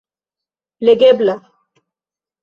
legebla